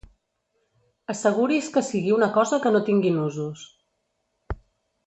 Asseguri's que sigui una cosa que no tingui nusos.